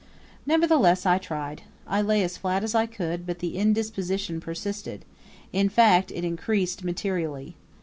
Nevertheless, I tried. I lay as flat as I could, but the indisposition persisted; in fact, it increased materially.